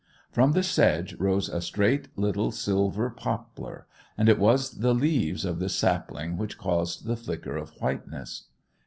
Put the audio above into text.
From the sedge rose a straight little silver poplar, and it was the leaves of this sapling which caused the flicker of whiteness.